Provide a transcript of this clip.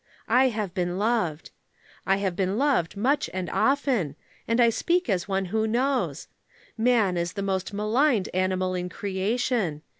"I have been loved. I have been loved much and often, and I speak as one who knows. Man is the most maligned animal in creation.